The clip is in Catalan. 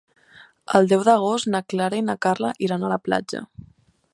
El deu d'agost na Clara i na Carla iran a la platja.